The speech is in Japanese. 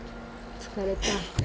疲れた？